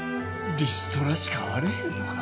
リストラしかあれへんのか。